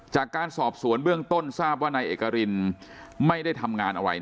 จากการสอบสวนเบื้องต้นทราบว่านายเอกรินไม่ได้ทำงานอะไร